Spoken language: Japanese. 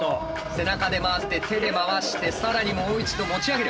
背中で回って手で回して更にもう一度持ち上げる。